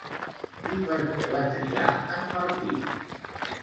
I per què va triar en Martí?